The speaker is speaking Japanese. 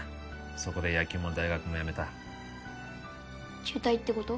そこで野球も大学もやめた中退ってこと？